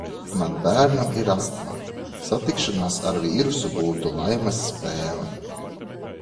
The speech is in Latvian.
Man bērnam ir astma. Satikšanās ar vīrusu būtu laimes spēle.